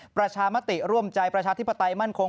ประชามติร่วมใจประชาธิปไตยมั่นคง